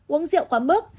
uống rượu quá mức